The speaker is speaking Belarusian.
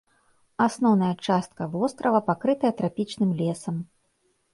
Асноўная частка вострава пакрытая трапічным лесам.